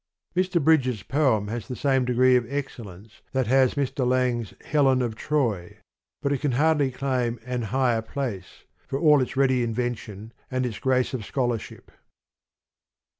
Mr. Bridges' poem has the same degree of excellence, that has Mr. Lang's Helen of Troy : but it can hardly claim an higher place, for all its ready invention, and its grace of scholarship.